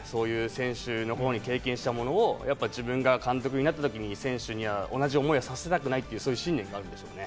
選手の頃に経験したものを自分が監督になったときに、選手に同じ思いをさせたくないという心理があるんでしょうね。